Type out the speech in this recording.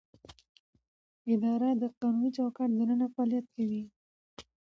اداره د قانوني چوکاټ دننه فعالیت کوي.